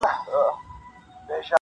ځانته پخپله اوس زنځیر او زولنې لټوم,